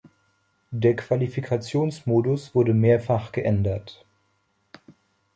Der Qualifikationsmodus wurde mehrfach geändert.